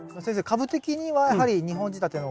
株的にはやはり２本仕立ての方が。